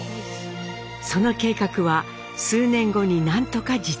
その計画は数年後に何とか実現。